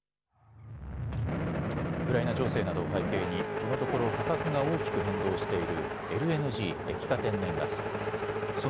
ウクライナ情勢などを背景にこのところ価格が大きく変動しているＬＮＧ・液化天然ガス。